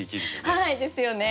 はいですよね。